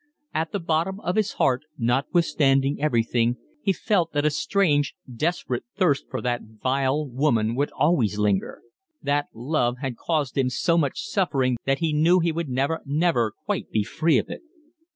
At the bottom of his heart, notwithstanding everything, he felt that a strange, desperate thirst for that vile woman would always linger. That love had caused him so much suffering that he knew he would never, never quite be free of it.